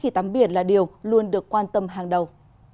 khi tắm biển là điều luôn được quan tâm hàng đầu